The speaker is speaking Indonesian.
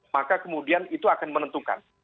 maka kemudian itu akan menentukan